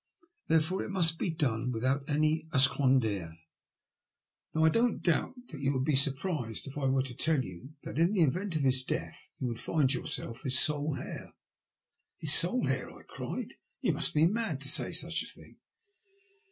There fore it must be done without any esclandre. Now I don't doubt you would be surprised if I were to tell you that in the event of his death you would find yourself his sole heir." " His sole heir ?" I cried. " You must be mad to say such a thing."